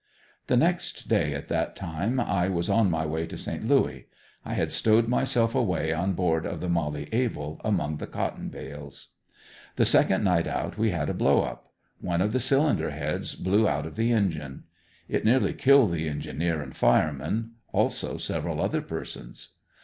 The next day at that time I was on my way to Saint Louis. I had stowed myself away on board of the "Mollie Able" among the cotton bales. The second night out we had a blow up. One of the cylinder heads blew out of the engine. It nearly killed the engineer and fireman, also several other persons.